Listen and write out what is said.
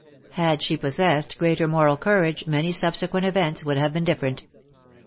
Hac^she possessed greater moral courage, many subsequent events would have been different.